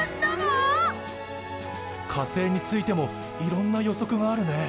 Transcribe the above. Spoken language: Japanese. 火星についてもいろんな予測があるね。